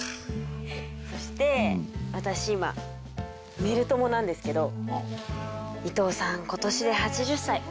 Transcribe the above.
そして私今メル友なんですけど伊藤さん今年で８０歳。